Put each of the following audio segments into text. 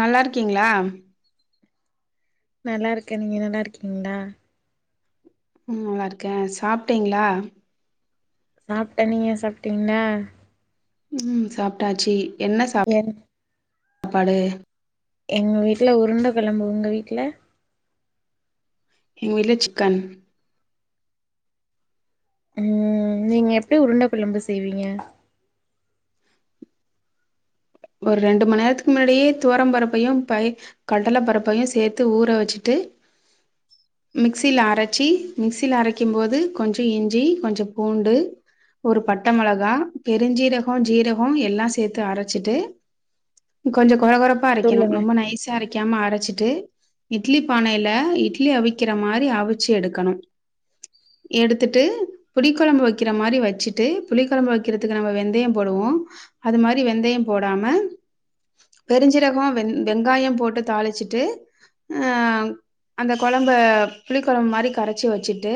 நல்லாருக்கிங்ளா நல்லா இருக்கேன் நீங்க நல்லா இருக்கீங்களா ம் நல்லாருக்கே சாப்டிங்ளா சாப்டேன் நீங்க சாப்டீங்களா ம் சாப்ட்டாச்சி என்ன சாப் என் பாடு எங்க வீட்டுல உருண்டை குழம்பு உங்க வீட்டுல எங்க வீட்ல சிக்கன் உம் நீங்க எப்படி உருண்டைக் குழம்பு செய்வீங்க ஒரு ரெண்டு மணி நேரத்துக்கு முன்னாடியே தோரம் பரப்பையும் பை கடலை பரப்பையும் சேர்த்து ஊற வச்சுட்டு மிக்சியில அரைச்சு மிக்சியில அரைக்கும் போது கொஞ்சோ இஞ்சி கொஞ்சோ பூண்டு ஒரு பட்டை மிளகா பெருஞ்சீரகம் ஜீரகம் எல்லாம் சேர்த்து அரைச்ச வச்சுட்டு கொஞ்சோ கொற கொறப்பா அரைக்கணும் சொல்லுங்க ரொம்ப நைசா அரைக் வைக்காம அரைச்சிட்டு இட்லி பானையில இட்லி அவிக்கிற மாதிரி அவிச்சு எடுக்கணும் எடுத்துட்டு புளி குழம்பு வைக்கிற மாதிரி வச்சுட்டு புளி குழம்பு வைக்கிறதுக்கு நம்ம வெந்தயம் போடுவோ அது மாரி வெந்தயம் போடாம பெரிஞ்ச ரகம் வெந் வெங்காயம் போட்டு தாளிச்சுட்டு அஹ் அந்த குழம்ப புளி குழம்பு மாதிரி கரைச்சி வச்சுட்டு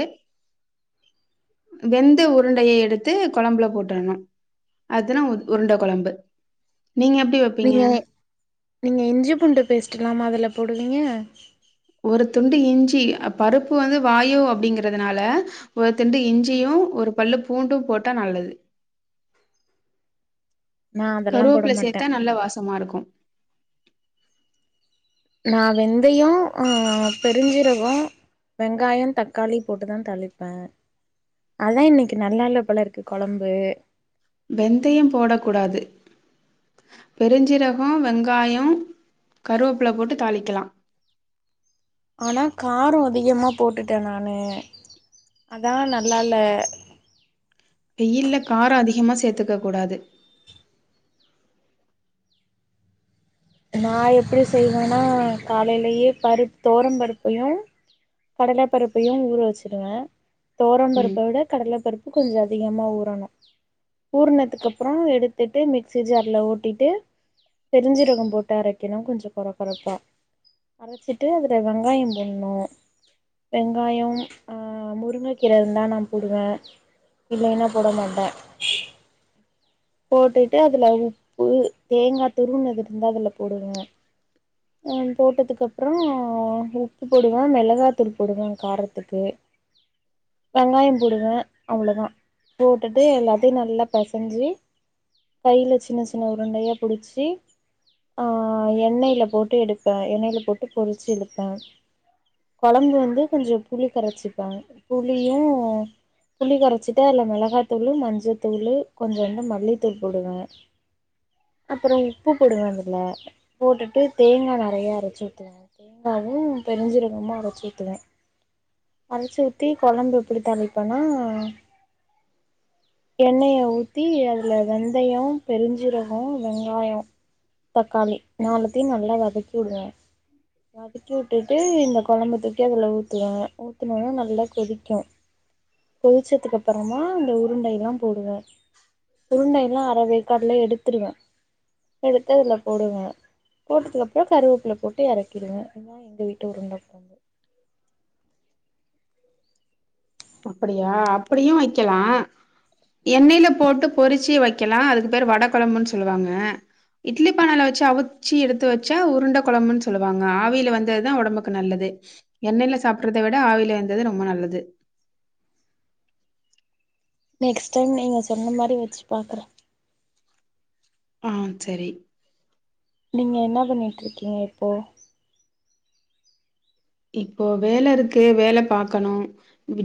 வெந்து உருண்டைய எடுத்து குழம்புல போட்டுணும் அதுதான் உருண்டை குழம்பு நீங்க எப்படி வைப்பீங்க? நீங்க நீங்க இஞ்சி பூண்டு பேஸ்ட் எல்லாம அதுல போடுவீங்க ஒரு துண்டு இஞ்சி பருப்பு வந்து வாயு அப்படிங்கிறதுனால ஒரு துண்டு இஞ்சியும் ஒரு பல்லு பூண்டும் போட்டா நல்லது நா அதெல்லா போட கருவேப்புல மாட்டே சேர்த்தா நல்ல வாசமா இருக்கும் நான் வெந்தயம் ஆஹ் பெருஞ்சீரகம் வெங்காயம் தக்காளி போட்டுதான் தளிப்பேன் அதான் இன்னைக்கு நல்லால்ல போல இருக்கு குழம்பு வெந்தயம் போடக் கூடாது பெருஞ்சிரகம் வெங்காயம் கருவேப்புல போட்டு தாளிக்கலாம் ஆனா காரம் அதிகமா போட்டுட்டேன் நானு அதான் நல்லா இல்ல வெயில்ல காரோ அதிகமா சேர்த்துக்க கூடாது நான் எப்படி செய்வேன்னா காலையிலேயே பருப்பு தோரம் பருப்பையும் கடலைப்பருப்பையும் ஊற வச்சுருவேன் தோரம் ம் பருப்ப விட கடல பருப்பு இன்னோ கொஞ்சோ அதிகமா ஊறணோ ஊறுனதுக்கப்புறோ எடுத்துட்டு மிக்சி ஜாரில் ஓட்டிட்டு பெருஞ்சீரகம் போட்டு விட்டு அரைக்கணும் கொஞ்சம் கொற கொறப்பா அரைச்சிட்டு அதுல வெங்காயம் போடணும் வெங்காயம் ஆஹ் முருங்கை கீரை இருந்தா நான் போடுவேன் இல்லைன்னா போட மாட்டேன் போட்டுட்டு அதுல உப்பு தேங்காய் துருவுனது இருந்தா அதுல போடுவ போட்டதுக்கு அப்புறம் உப்பு போடுவேன் மிளகாத்தூள் போடுவேன் காரத்துக்கு வெங்காயம் போடுவேன் அவ்வளோதான் போட்டுட்டு எல்லத்தையும் நல்லா பெசஞ்சி கையில சின்ன சின்ன உருண்டையா பிடிச்சு ஆ எண்ணெயில போட்டு போட்டு எடுப்பேன் எண்னையில போட்டு பொறிச்சி எடுப்பேன் குழம்பு வந்து கொஞ்சம் புளி கரைச்சிப்பேன் புளியும் புளி கரைச்சிட்டு அதுல மிளகாயத்தூளு மஞ்சள்த்தூளு கொஞ்சோண்டு மல்லித்தூள் போடுவேன் அப்புறம் உப்பு போடுவேன் அதில் போட்டுட்டு தேங்காய் நறையா அரச்சு ஊத்துவே தேங்காவும் பெருஞ்சீரகமும் அரச்சு ஊத்துவ அரச்சு ஊத்தி குழம்பு எப்படி தாளிப்பேனா எண்ணெய ஊத்தி அதுல வெந்தயம் பெருஞ்சீரகம் வெங்காயம் தக்காளி நாலு தியும் நல்லா வதக்கி விடுவேன் வதக்கி விட்டுட்டு இந்த குழம்பு தூக்கி அதுல ஊத்துவாங்க ஊத்துனும்னா நல்லா கொதிக்கும் கொதிச்சதுக்கு அப்புறமா இந்தந்த உருண்டைல்லாம் போடுவேன் உருண்டை எல்லாம் அரைவேக்காடுல எடுத்துடுவேன் எடுத்து அதுல போடுவேன் போட்டதுக்கு அப்புறம் கருவேப்புல போட்டு இறக்கிடுவேன் இதான் எங்க வீட்டு உருண்ட குழம்பு அப்படியா அப்படியும் வைக்கலா எண்ணெய்ல போட்டு பொறிச்சு வைக்கலாம் அதுக்கு பேரு வட குழம்புன்னு சொல்லுவாங்க இட்லி பானால வச்சு அவிச்சி எடுத்து வச்சா உருண்ட குழம்புன்னு சொல்லுவாங்க ஆவியில வெந்ததுதான் உடம்புக்கு நல்லது எண்ணெயில சாப்பிடுறதை விட ஆவில வெந்தது ரொம்ப நல்லது நெக்ஸ்ட் டைம் நீங்க சொன்ன மாரி வெச்சு பாக்குற ஆஹ் சரி நீங்க என்ன பண்ணிட்டு இருக்கீங்க இப்போ இப்போ வேல இருக்கு வேல பாக்கணும்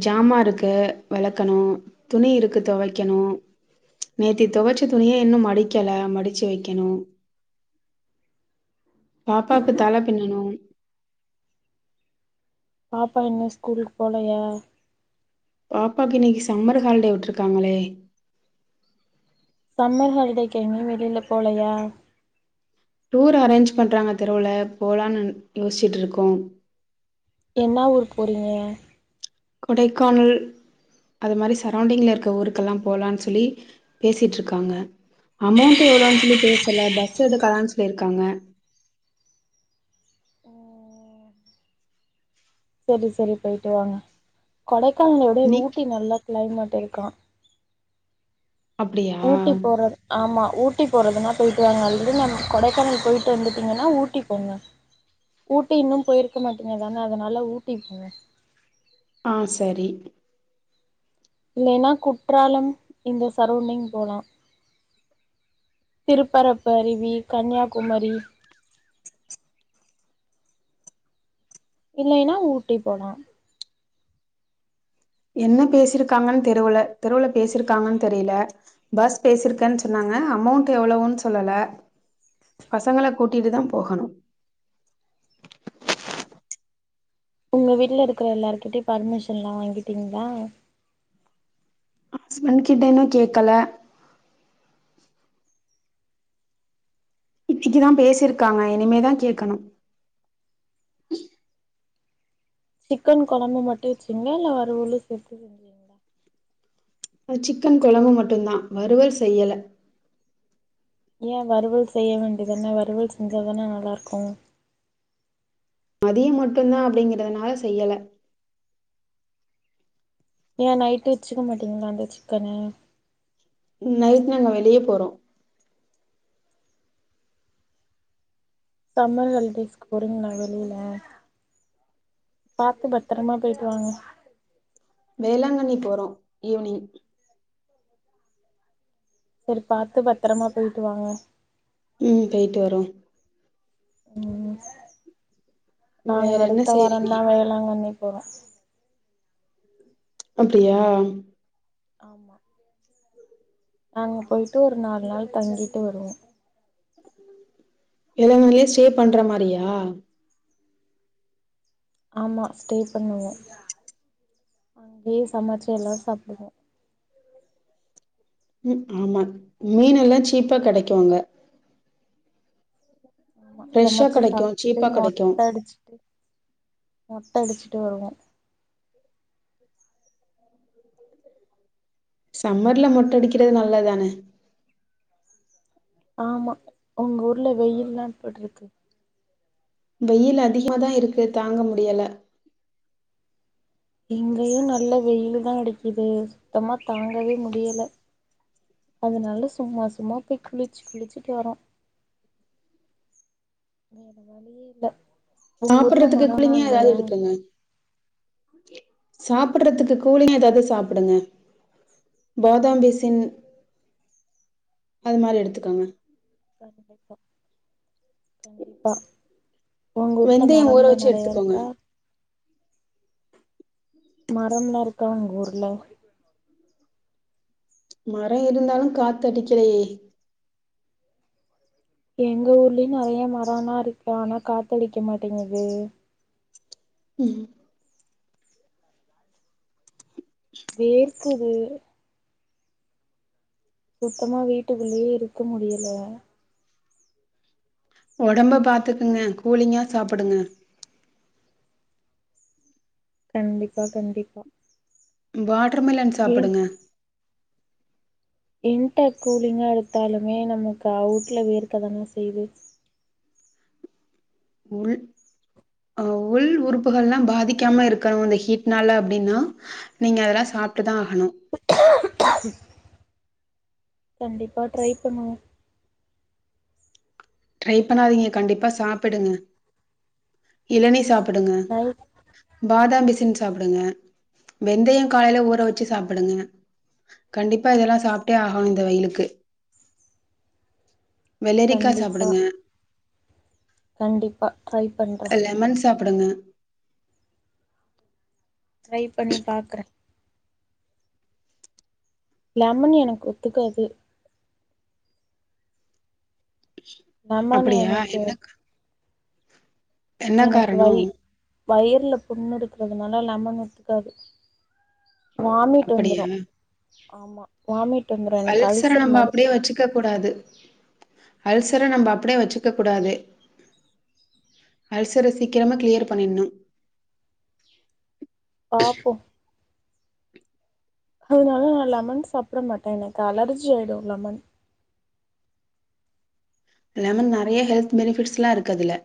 ஜாமான் இருக்கு வளக்கணும் துணி இருக்கு துவைக்கணும் நேத்தி துவைச்ச துணியே இன்னும் மடிக்கல மடிச்சு வைக்கணும் பாப்பாக்கு தல பின்னணும் பாப்பா என்ன ஸ்கூலுக்கு போலையா பாப்பாக்கு இன்னைக்கு சம்மர் ஹாலிடே விட்டுருக்காங்களே சம்மர் ஹாலிடேக்கு எங்கயும் வெளியில போலையா டூர் அரேஞ்ச் பண்றாங்க தெருவுல போலான்னு யோசிச்சுட்டு இருக்கோம் என்ன ஊருக்கு போறீங்க கொடைக்கானல் அது மாதிரி சரௌண்டிங்கில் இருக்கிற ஊருக்கெல்லாம் போகலான்னு சொல்லி பேசட்டுருக்காங்க அமௌண்ட் எவ்ளவுன்னு சொல்லி பேசல பஸ் எடுக்கலாம்னு சொல்லி இரு இருக்காங்க ம் சேரி சேரி போயிட்டு வாங்க கொடைக் கானல விட நீ ஊட்டி நல்ல கிளைமேட் டேக்கா அப்படியா? ஊட்டி போறது ஆம்மா ஊட்டி போறதுன்னா போயிட்டு வாங்க அது வந்து நம்ம கொடைக்கானல் போயிட்டு வந்துட்டீங்கன்னா ஊட்டி போங்க ஊட்டி இன்னும் போயிருக்க மாட்டீங்கதான அதனால ஊட்டி போங்க ஆ சரி இல்லைன்னா குற்றாலம் இந்த சரவுண்டிங் போலா திருப்பரப்பு அருவி கன்யாகுமரி இல்லைன்னா ஊட்டி போலா என்ன பேசிருக்காங்கனு தெருவுல தெருவுல பேசிருக்காங்கனு தெரியல பஸ் பேசிருக்கேனு சொன்னாங்க அமௌண்ட் எவ்வளவுன்னு சொல்லல பசங்கள கூட்டிட்டுதான் போகணும் உங்க வீட்ல இருக்குற எல்லாருகிட்டயு பர்மிஷன்லாம் வாங்கிட்டீங்களா ஹஸ்பண்ட் கிட்டன்னும் கேக்கல இச்சிக்குதான் பேசிருக்காங்க இனிமேதான் கேக்கணும் சிக்கன் கொழம்பு மட்டும் வச்சீங்களா இல்ல வறுவலு சேத்து செஞ்சீங்களா ஆ சிக்கன் கொழம்பு மட்டும்தான் வறுவல் செய்யல ஏன் வறுவல் செய்ய வேண்டிதானே வறுவல் செஞ்சாதானே நல்லா இருக்கும் மதியம் மட்டும் தான் அப்டிங்கறதுனால செய்யல ஏன் நைட்டு் வச்சுக்க மாட்டீங்களா அந்த சிக்கனு நைட்டு நாங்க வெளிய போறோம் சம்மர் ஹாலிடேஸ்கு போறிங்ளா வெளில பாத்து பத்தரமா போயிட்டு வாங்க வேளாங்கண்ணி போறோம் ஈவினிங் சரி பாத்து பத்தரமா போயிட்டு வாங்க ம் போய்ட்டு வறோம் ம் நாங்க வேற என்ன அடுத்த செய்றீங்க வாரந்தா வேளாங்கண்ணி பவ அப்டியா ஆமா நாங்க போயிட்டு ஒரு நாலு நாள் தங்கிட்டு வருவோ வேளாங்கணிலயே ஸ்டே பண்ற மாரியா ஆமா ஸ்டே பண்ணுவோ அங்கேயே சமைச்சு எல்லாம் சாப்டுவோ ம் உம் ஆம்மா மீன் எல்லாம் சீப்பா கெடைக்கும் அங்க ஆமா ஃப்ரெஷ்ஷா சமைச்சு கெடைக்கு சாப்ட்டு சீப்பா கெடைக்கு மொட்டை அடிச்சுட்டு மொட் படிச்சிட்டு வருவோம் சம்மர்ல மொட்டை அடிக்கிறது நல்லதானே ஆமா உங்க ஊர்ல வெயில்லாம் எப்புட்ருக்கு வெயில் அதிகமா தான் இருக்கு தாங்க முடியல இங்கயும் நல்ல வெயிலு தான் அடிக்குது சுத்தமா தாங்கவே முடியல அதனால சும்மா சும்மா போய் குளிச்சு குளிச்சுட்டு வரோம் வேற வழியே இல்ல உங்க ஊர்ல சாப்டுறதுக்கு மரம்லா கூலிங்கா ஏதாவது இல்லையா எடுப்பங்க சாப்டுறதுக்கு கூலிங்கா ஏதாவது சாப்டுங்க பாதாம் பிசின் அது மாரி எடுத்துக்கோங்க கண்டிப்பா கண்டிப்பா உங்க ஊர்ல வெந்தயம் ஊற மரம்லாம் வச்சு நெறையா எடுத்துக்கோங்க இருக்கா மரம்லா இருக்கா உங்க ஊர்ல மரம் இருந்தாலும் காத்தடிக்கலயே எங்க ஊர்லயும் நெறைய மரனா இருக்க ஆனா காத்தடிக்க மாட்டேங்குது [inaudible] [unintelligible] சுத்தமா வீட்டுக்குள்ளியே இருக்க முடியல ஒடம்ப பாத்துக்குங்க கூலிங்கா சாப்புடுங்க கண்டிப்பா கண்டிப்பா ம்வாட் ட்ருமிலன் சாப்புடுங்க இன்ட கூலிங்கா எடுத்தாலுமே நமக்கு அவுட்ல வேர்க்கதாங்க செய்து உள் ஆ உள் உறுப்புகள்ல்லாம் பாதிக்காம இருக்கணும் ந்த ஹீட் நாள அப்டின்னா நீங்க அதெல்லாம் சாப்ட்டுதான் ஆகணும் கண்டிப்பா ட்ரை பண்ணுவோம் ட்ரை பண்ணாதீங்க கண்டிப்பா சாப்பிடுங்க இளனி சாப் படுங்க நைட் பாதம்பிசி சின் சாப்டுங்க வெந்தயம் காலைல ஊற வச்சு சாப்புடுங்க கண்டிப்பா இதயெல்லாம் சாப்ட்டே ஆஹனும் இந்த வெயிலுக்கு வெள்ளேரிக்காஸ் கண்டிப்பா [unintelligible] கண்டிப்பா ட்ரை பண்ற [unintelligible] ட்ரை பண்ணி பாக்குற லெமன் எனக்கு ஒத்துக்காது லமன் அப்படியா எனக்கு என்ன என்ன காரணம் வயர்ல புண்ணுருக்குறதுனால லமன் ஒத்துக்காது வாமிட் அப்படியா வந்துரும் ஆமா வாமிட் வந்துரும் எனக்கு அல்சர அல்சர் நம்ம அப்படியே மாதிரிருக் அல்சரை நம்ப அப்டே வச்சுக்க கூடாது அல்சர சீக்கிரமா க்ளியர் பண்ணிட்ணும் பாப்போம் அதனால நான் லெமன் சாப்ற மாட்டன் எனக்கு அலர்ஜி ஆயிடும் லெமன் லெமன் நெறைய ஹெல்த் பெனிபிட்ஸ்லாருக்கு அதுல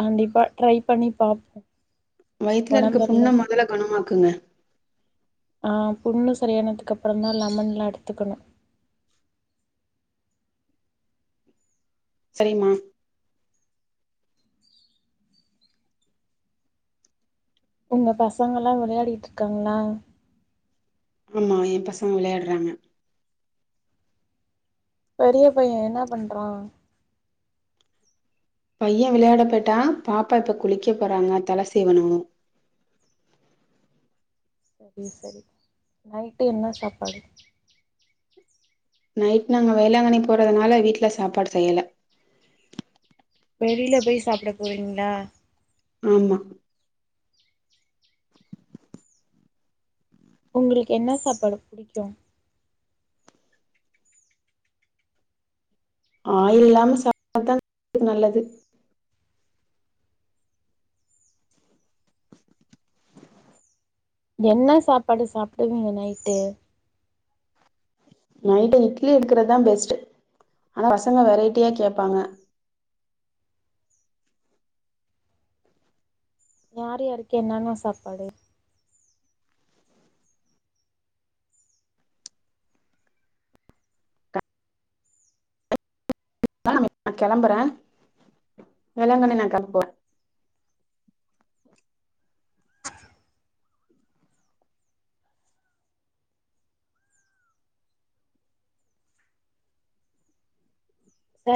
கண்டிப்பா ட்ரை பண்ணி பாப்போம் வயித்துலர்க்க புண்ண மொதல்ல கொணமாக்குங்க ஆ புண்ணு சரியானதுக் அப்பறம் தான் லெமன்லா எடுத்துக்கணும் சரிம்மா உங்க பசங்கல்லாம் விளையாடிட்ருக்காங்களா ஆமா என் பசங்க விளையாட்றாங்க பெரிய பையன் என்னா பண்றான் பையன் விளையாட போய்ட்டான் பாப்பா இப்ப குளிக்க போறாங்க தல சீவனும் சரி சரி நைட்டு என்ன சாப்பாடு நைட் நாங்க வேளாங்கண்ணி போறதுனால வீட்ல சாப்பாடு செய்யல வெளியில போய் சாப்ட போறீங்ளா ஆமா உங்களுக்கு என்ன சாப்பாடு புடிக்கு ஆயில் இல்லாம சாப்டா தா நல்லது என்ன சாப்பாடு சாப்டுவீங்க நைட்டு நைட் இட்லி எடுக்கறதா பெஸ்ட்டு ஆனா பசங்க வெரைட்டியா கேபாங்க யார் யாருக்கு என்னன்னா சாப்பாடு நா கெளம்புறே வேளாங்கண்ணி நா கெளம்போறே